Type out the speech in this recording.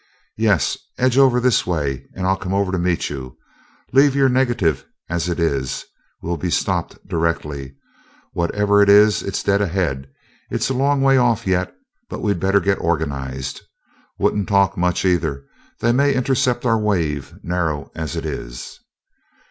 "Yes, edge over this way and I'll come over to meet you. Leave your negative as it is we'll be stopped directly. Whatever it is, it's dead ahead. It's a long ways off yet, but we'd better get organized. Wouldn't talk much, either they may intercept our wave, narrow as it is."